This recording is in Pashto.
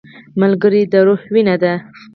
ملګری د روح وینه ده